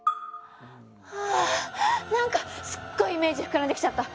あ何かすっごいイメージ膨らんできちゃった！